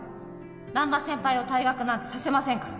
「難破先輩を退学なんてさせませんから」